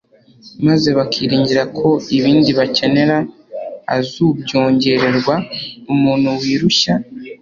maze bakiringira ko ibindi bakenera azubyongererwa. Umuntu wirushya,